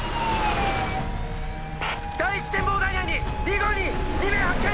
第一展望台内に２５２２名発見。